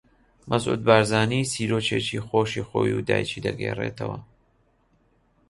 مەسعود بارزانی چیرۆکێکی خۆشی خۆی و دایکی دەگێڕیتەوە